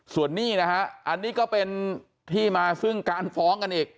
ส่วนนี้นะฮะอันนี้ก็เป็นที่มาซึ่งการฟ้องกันอีก